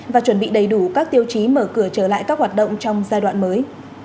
và chuẩn bị đầy đủ các tiêu chí mở cửa trở lại các hoạt động trong giai đoạn mới